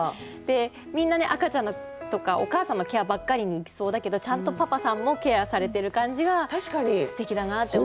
みんなね赤ちゃんとかお母さんのケアばっかりにいきそうだけどちゃんとパパさんもケアされてる感じがすてきだなって思いました。